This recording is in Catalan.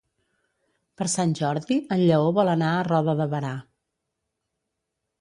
Per Sant Jordi en Lleó vol anar a Roda de Berà.